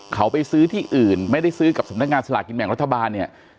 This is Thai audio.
เขาไปซื้อที่อื่นไม่ได้ซื้อกับสำนักงานสลากกินแบ่งรัฐบาลเนี่ย